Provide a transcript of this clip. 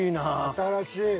新しい。